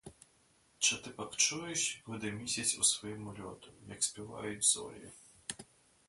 Чи ти пак чуєш, як гуде місяць у своєму льоту, як співають зорі?